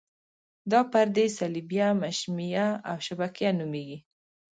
دا پردې صلبیه، مشیمیه او شبکیه نومیږي.